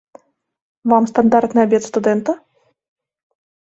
Вам стандартны абед студэнта?